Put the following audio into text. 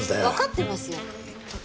わかってますよ。